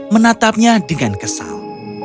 menatapnya dengan kesal